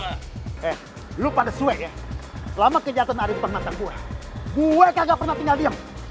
eh lu pada sue ya selama kejahatan arief pernahkan gue gue kagak pernah tinggal diem